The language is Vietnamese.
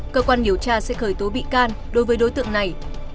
cơ quan điều tra sẽ khởi tố bị can đối với đối tượng này